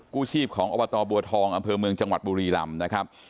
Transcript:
กู้ชีพของอบตบัวทองอำเภอเมืองจังหวัดบุรีลำนะครับ